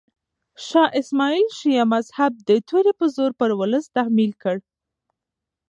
شاه اسماعیل شیعه مذهب د تورې په زور پر ولس تحمیل کړ.